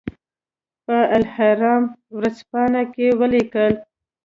په الاهرام ورځپاڼه کې ولیکل.